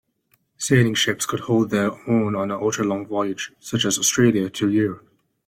Sailing ships could hold their own on ultra-long voyages such as Australia to Europe.